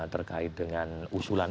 terkait dengan usulan